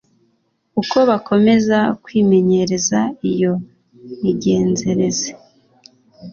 Uko bakomeza kwimenyereza iyo migenzereze